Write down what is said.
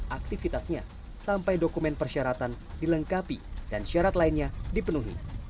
aktivitasnya sampai dokumen persyaratan dilengkapi dan syarat lainnya dipenuhi